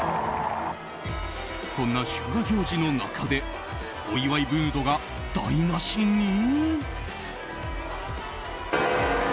そんな祝賀行事の中でお祝いムードが台無しに？